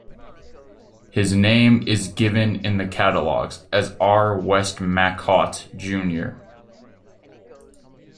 His name is given in the catalogues as R. Westmacott, Junr.